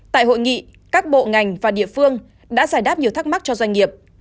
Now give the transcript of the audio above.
tại hội nghị các bộ ngành và địa phương đã giải đáp nhiều thắc mắc cho doanh nghiệp